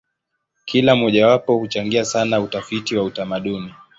Kila mojawapo huchangia sana utafiti wa utamaduni.